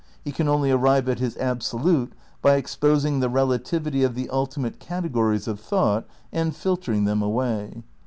He can only arrive at his Ab solute by exposing the relativity of the ultimate cate gories of thought and filtering them away.